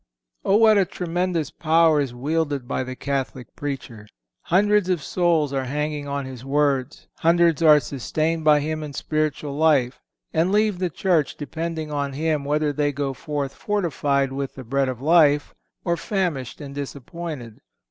O! what a tremendous power is wielded by the Catholic preacher! Hundreds of souls are hanging on his words; hundreds are sustained by him in spiritual life, and leave the Church depending on him whether they go forth fortified with the Bread of life, or famished and disappointed.